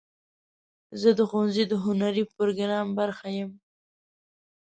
زه د ښوونځي د هنري پروګرام برخه یم.